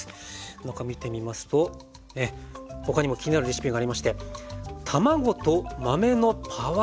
中見てみますと他にも気になるレシピがありまして卵と豆のパワーサラダ。